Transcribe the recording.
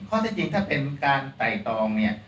ที่จริงถ้าเป็นการไต่ตองเนี่ย